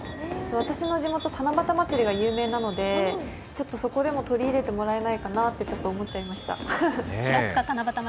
私の地元、七夕まつりが有名なのでそこでも取り入れてもらえないかなと思いました。